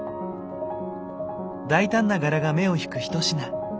大胆な柄が目を引くひと品。